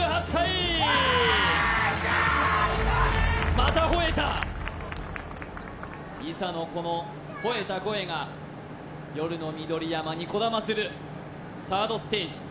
またほえた伊佐のこのほえた声が夜の緑山にこだまするサードステージ